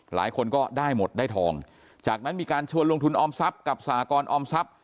หลายคนก็ได้หมดได้ทองจากนั้นมีการชวนลงทุนออมทรัพย์กับสหกรออมทรัพย